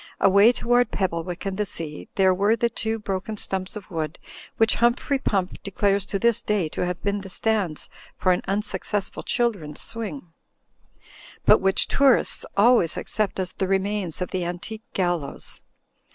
Away toward Pebblewick and the sea, there were the two broken stumps of wood which Humphrey Pump de clares to this day to have been the stands for an un successful children's swing; but which tourists al ways accept as the remains of the antique gallows.